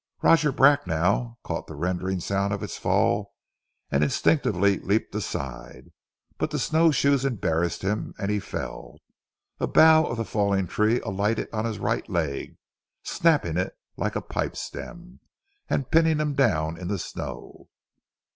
Roger Bracknell caught the rending sound of its fall and instinctively leaped aside, but the snowshoes embarrassed him and he fell. A bough of the falling tree alighted on his right leg, snapping it like a pipestem, and pinning him down in the snow.